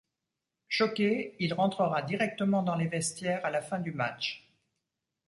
Choqué, il rentrera directement dans les vestiaires à la fin du match.